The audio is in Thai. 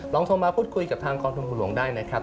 โทรมาพูดคุยกับทางกองทุนคุณหลวงได้นะครับ